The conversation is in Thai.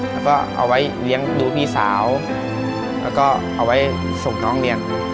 แล้วก็เอาไว้เลี้ยงดูพี่สาวแล้วก็เอาไว้ส่งน้องเรียน